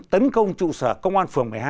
tấn công trụ sở công an phường một mươi hai